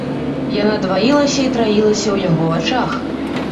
Яна дваілася і траілася ў яго вачах.